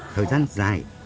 thời gian dài